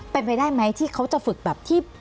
เป็นไปได้ไหมที่เขาจะฝึกแบบที่